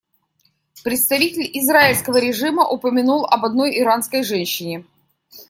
Представитель израильского режима упомянул об одной иранской женщине.